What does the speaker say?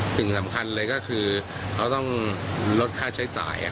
สิ่งสำคัญเลยก็คือเขาต้องลดค่าใช้จ่าย